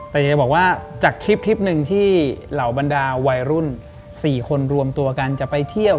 แต่อยากจะบอกว่าจากคลิปหนึ่งที่เหล่าบรรดาวัยรุ่น๔คนรวมตัวกันจะไปเที่ยว